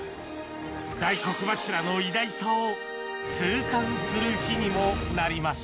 大黒柱の偉大さを痛感する日にもなりました